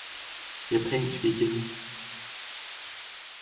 Japanske yen